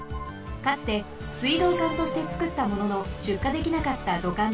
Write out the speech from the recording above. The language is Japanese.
かつて水道管としてつくったもののしゅっかできなかった土管です。